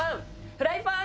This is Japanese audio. フライパン！